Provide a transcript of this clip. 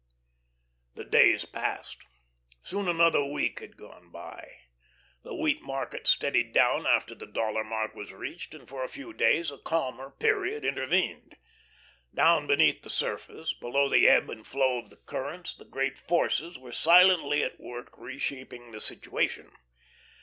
The days passed. Soon another week had gone by. The wheat market steadied down after the dollar mark was reached, and for a few days a calmer period intervened. Down beneath the surface, below the ebb and flow of the currents, the great forces were silently at work reshaping the "situation."